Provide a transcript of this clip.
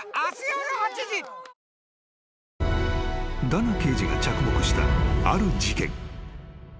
［ダナ刑事が着目したある事件。